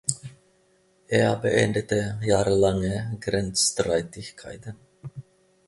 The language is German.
Er beendete jahrelange Grenzstreitigkeiten.